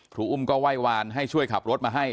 อุ้มก็ไหว้วานให้ช่วยขับรถมาให้